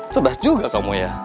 sedas juga kamu ya